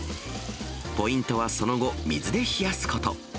ポイントはその後、水で冷やすこと。